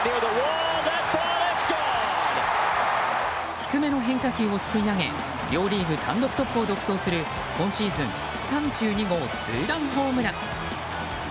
低めの変化球をすくい上げ両リーグ単独トップを独走する今シーズン３２号ツーランホームラン。